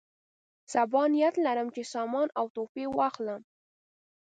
سبا نیت لرم چې سامان او تحفې واخلم.